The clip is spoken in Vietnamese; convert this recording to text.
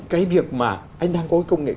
cái việc mà anh đang có cái công nghệ